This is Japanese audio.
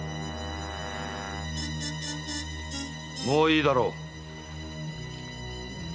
もういいだろう。